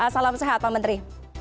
salam sehat pak menteri